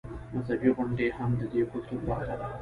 مذهبي غونډې هم د دې کلتور برخه ده.